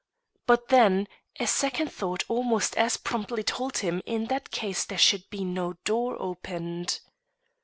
But then a second thought almost as promptly told him in that case there should be no door opened.